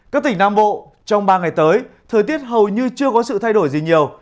các tỉnh nam bộ trong ba ngày tới thời tiết hầu như chưa có sự thay đổi gì nhiều